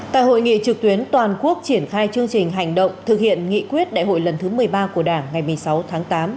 tại hội nghị trực tuyến toàn quốc triển khai chương trình hành động thực hiện nghị quyết đại hội lần thứ một mươi ba của đảng ngày một mươi sáu tháng tám